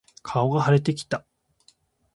顔が腫れてきた。